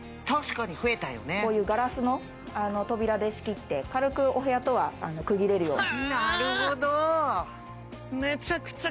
こういうガラスの扉で仕切って軽くお部屋とは区切れるように。